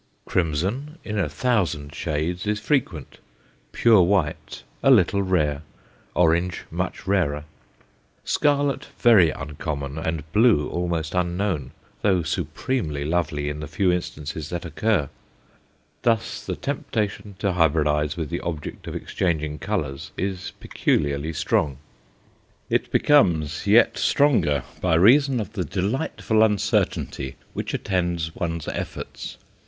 Crimson, in a thousand shades, is frequent; pure white a little rare, orange much rarer; scarlet very uncommon, and blue almost unknown, though supremely lovely in the few instances that occur. Thus the temptation to hybridize with the object of exchanging colours is peculiarly strong. It becomes yet stronger by reason of the delightful uncertainty which attends one's efforts.